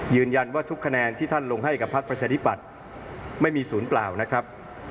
ยืนยันว่าทุกคะแนนที่ท่านลงให้กับพักประชาธิปัตย์ไม่มีศูนย์เปล่านะครับ